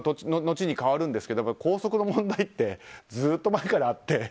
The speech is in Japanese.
のちに変わるんですけど校則の問題ってずっと前からあって。